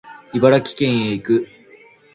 茨城県へ行く